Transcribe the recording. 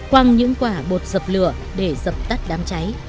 quăng những quả bột dập lửa để dập tắt đám cháy